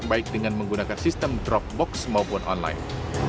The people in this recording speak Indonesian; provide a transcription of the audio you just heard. baik dengan menggunakan sistem dropbox maupun online